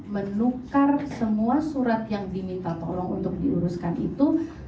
menukar semua surat yang diminta tolong untuk diuruskan itu